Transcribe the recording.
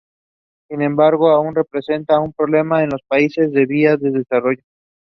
The hamlet is served by buses from Halifax bus station.